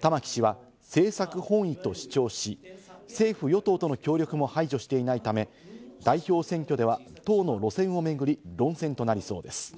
玉木氏は政策本位と主張し、政府・与党との協力も排除していないため代表選挙では党の路線を巡り、論戦となりそうです。